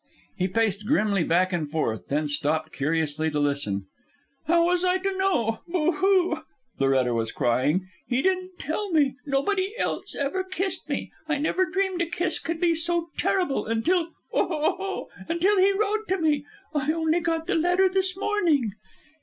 He paced grimly back and forth, then stopped curiously to listen. "How was I to know? Boo hoo," Loretta was crying. "He didn't tell me. Nobody else ever kissed me. I never dreamed a kiss could be so terrible... until, boo hoo... until he wrote to me. I only got the letter this morning."